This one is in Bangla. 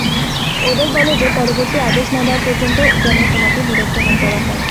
ওদের বলো যে পরবর্তী আদেশ না দেওয়া পর্যন্ত যেন তোমাকে বিরক্ত না করা হয়।